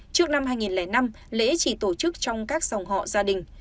trước năm hai nghìn năm lễ chỉ tổ chức trong các dòng họ gia đình